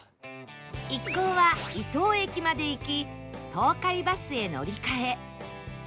一行は伊東駅まで行き東海バスへ乗り換え